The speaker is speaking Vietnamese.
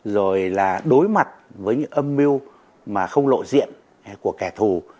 rồi là đối mặt với những âm mưu mà không lộ diện của kẻ thù